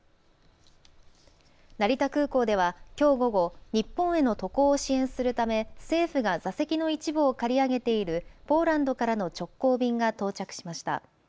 成田空港では、きょう午後、日本への渡航を支援するため、政府が座席の一部を借り上げているポーランドからの直行便が到着しました。